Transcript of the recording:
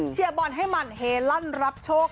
เชียบบอลให้หมั่นเฮลั่นรับโชว์ค่ะ